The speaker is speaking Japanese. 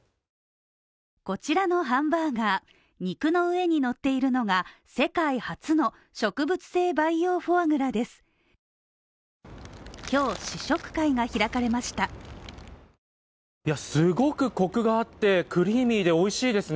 こちらのハンバーガー、肉の上に乗っているのが世界初の植物性培養フォアグラです。